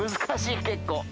難しい結構。